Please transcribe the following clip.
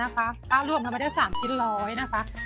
ก็ร่วมมาได้๓ชิ้นร้อยนะคะ